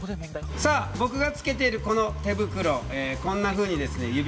さあボクがつけているこの手袋こんなふうにですね